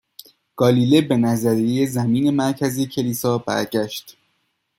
گالیله به نظریه زمین مرکزی کلیسا برگشت،